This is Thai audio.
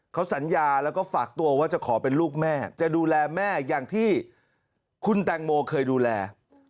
เขาสัญญาแล้วก็ฝากตัวว่าจะขอเป็นลูกแม่จะดูแลแม่อย่างที่คุณแตงโมเคยดูแล